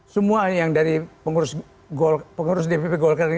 semua yang dari pengurus dpp golkar ini